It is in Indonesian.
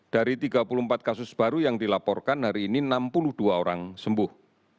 dari tiga puluh empat kasus baru yang dilaporkan hari ini enam puluh dua orang sembuh